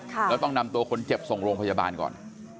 แล้วต้องนำตัวคนเจ็บส่งโรงพยาบาลก่อน